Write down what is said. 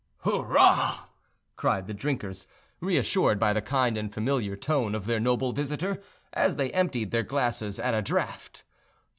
"Hurrah!" cried the drinkers, reassured by the kind and familiar tone of their noble visitor, as they emptied their glasses at a draught.